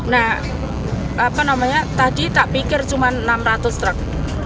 nah apa namanya tadi tak pikir cuma enam ratus truk